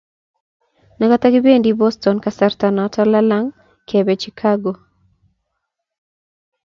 nekoto kibendi Boston kasartanoto lalang, kebe Chikago